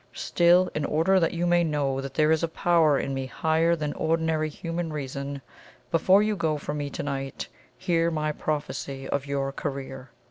Still, in order that you may know that there is a power in me higher than ordinary human reason, before you go from me to night hear my prophecy of your career.